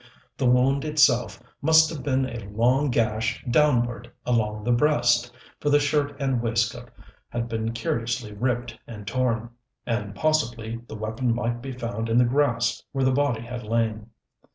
The wound itself must have been a long gash downward along the breast, for the shirt and waistcoat had been curiously ripped and torn. And possibly the weapon might be found in the grass where the body had lain.